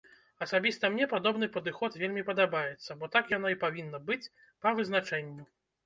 Асабіста мне падобны падыход вельмі падабаецца, бо так яно і павінна быць па вызначэнню.